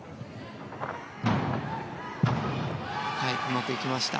うまくいきました。